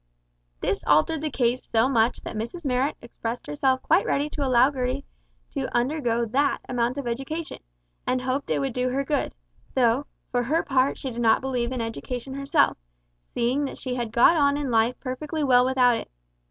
This altered the case so much that Mrs Marrot expressed herself quite ready to allow Gertie to undergo that amount of education, and hoped it would do her good, though, for her part she did not believe in education herself, seeing that she had got on in life perfectly well without it.